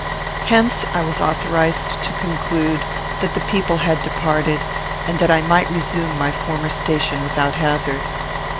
Hence I was authorized to conclude that the people had departed, and that I might resume my former station without hazard.